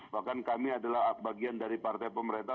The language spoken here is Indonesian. bahkan kami adalah bagian dari partai pemerintah